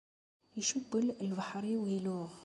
Icebbel lebḥer-iw iluɣ.